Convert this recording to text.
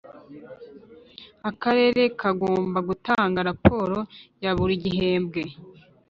Akarere kagomba gutanga raporo ya buri gihembwe